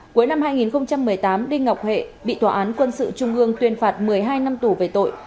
cuối năm hai nghìn một mươi tám đinh ngọc hệ bị tòa án quân sự trung ương tuyên phạt một mươi hai năm tù về tội